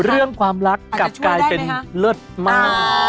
เรื่องความรักกลับกลายเป็นเลิศมาก